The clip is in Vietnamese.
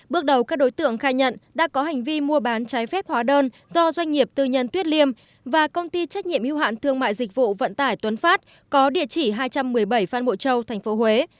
bước đầu các đối tượng khai nhận đã có hành vi mua bán trái phép hóa đơn do doanh nghiệp tư nhân tuyết liêm và công ty trách nhiệm hưu hạn thương mại dịch vụ vận tải tuấn phát có địa chỉ hai trăm một mươi bảy phan bộ châu tp huế